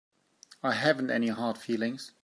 I haven't any hard feelings.